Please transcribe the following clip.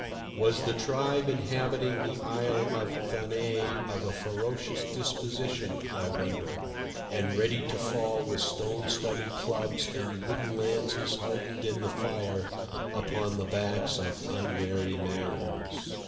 Was the tribe inhabiting the Isle of Thanet of a ferocious disposition, I wonder, and ready to fall with stone studded clubs and wooden lances hardened in the fire, upon the backs of unwary mariners?